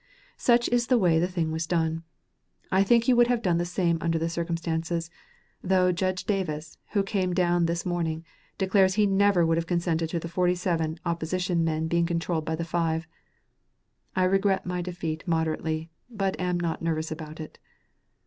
Such is the way the thing was done. I think you would have done the same under the circumstances, though Judge Davis, who came down this morning, declares he never would have consented to the 47 [opposition] men being controlled by the five. I regret my defeat moderately, but am not nervous about it."